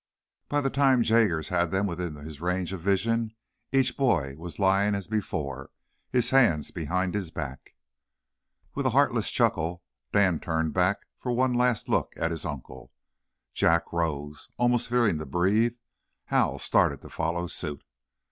By the time Jaggers had them within his range of vision each boy was lying as before, his hands behind his back. With a heartless chuckle, Dan turned back for one last look at his uncle. Jack rose, almost fearing to breathe. Hal started to follow suit.